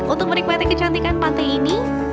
untuk menikmati kecantikan pantai ini